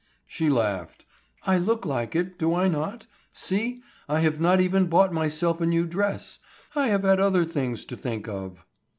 She laughed. "I look like it, do I not? See. I have not even bought myself a new dress. I have had other things to think of."